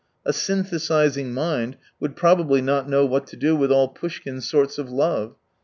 A synthesising mind would probably not know what to do with all Poushkin's sorts of love.